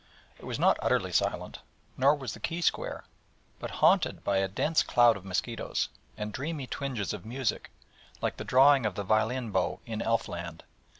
It was not utterly silent, nor was the quay square, but haunted by a pretty dense cloud of mosquitoes, and dreamy twinges of music, like the drawing of the violin bow in elf land.